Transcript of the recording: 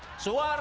bukan suara elit